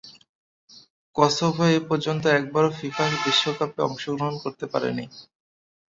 Kosovo এপর্যন্ত একবারও FIFA বিশ্বকাপে অংশগ্রহণ করতে পারেনি।